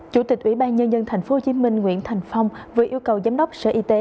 chủ tịch ủy ban nhân dân thành phố hồ chí minh nguyễn thành phong vừa yêu cầu giám đốc sở y tế